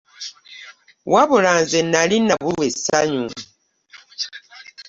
Wabula nze nali nabulwa esanyu.